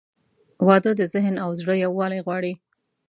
• واده د ذهن او زړه یووالی غواړي.